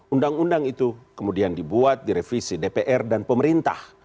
undang undang itu kemudian dibuat direvisi dpr dan pemerintah